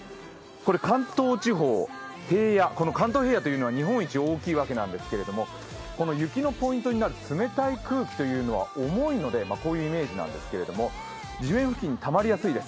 関東地方、平野、関東平野というのは日本一大きいわけですがこの雪のポイントになる冷たい空気というのは重いのでこういうイメージなんですけど、地面付近にたまりやすいです。